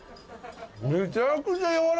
めちゃくちゃやわらかいぞ。